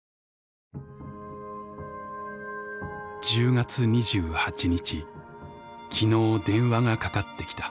「１０月２８日昨日電話がかかってきた。